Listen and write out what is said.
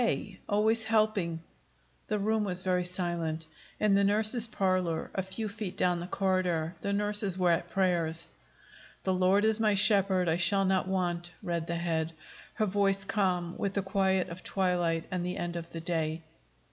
always helping." The room was very silent. In the nurses' parlor, a few feet down the corridor, the nurses were at prayers. "The Lord is my shepherd; I shall not want," read the Head, her voice calm with the quiet of twilight and the end of the day.